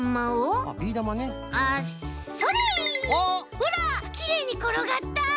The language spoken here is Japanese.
ほらきれいにころがった！